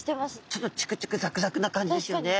ちょっとチクチクザクザクな感じですよね。